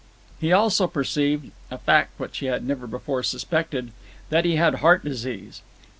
He also perceived—a fact which he had never before suspected—that he had heart disease.